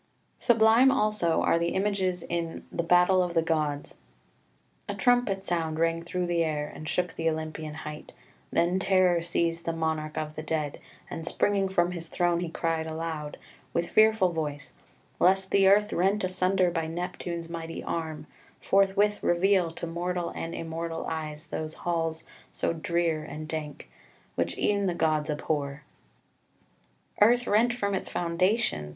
] 6 Sublime also are the images in the "Battle of the Gods" "A trumpet sound Rang through the air, and shook the Olympian height; Then terror seized the monarch of the dead, And springing from his throne he cried aloud With fearful voice, lest the earth, rent asunder By Neptune's mighty arm, forthwith reveal To mortal and immortal eyes those halls So drear and dank, which e'en the gods abhor." Earth rent from its foundations!